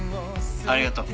ありがとう。